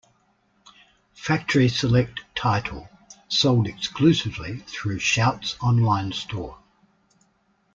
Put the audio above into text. Factory select title, sold exclusively through Shout's online store.